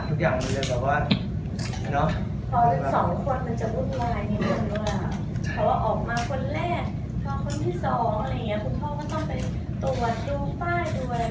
คุณพ่อควรต้องไปตรวจดูฝ้ายด้วยคุณเห็นไหมคุณเลยจะมีเงินหน่อย